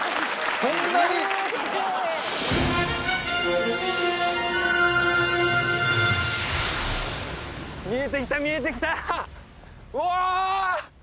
そんなに見えてきた見えてきたうお！